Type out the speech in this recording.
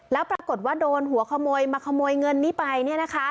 แล้วปรากฏว่าโดนหัวขโมยมาขโมยเงินนี้ไปเนี่ยนะคะ